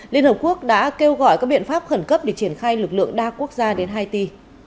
liên hợp quốc đã kêu gọi các biện pháp khẩn cấp để triển khai lực lượng đa quốc gia đến haiti